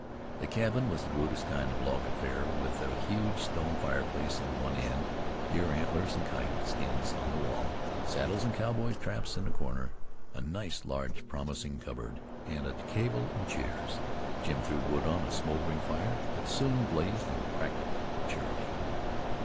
The cabin was the rudest kind of log affair, with a huge stone fireplace in one end, deer antlers and coyote skins on the wall, saddles and cowboys' traps in a corner, a nice, large, promising cupboard, and a table and chairs. Jim threw wood on a smoldering fire, that soon blazed and crackled cheerily.